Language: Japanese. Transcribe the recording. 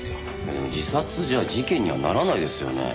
自殺じゃ事件にはならないですよね。